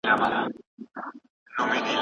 د شپې کار د خوب وخت بدلوي.